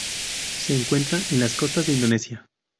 Se encuentra en las costas de Indonesia.